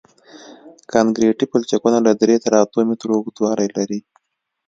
کانکریټي پلچکونه له درې تر اتو مترو اوږدوالی لري